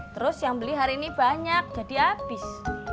terus yang beli hari ini banyak jadi habis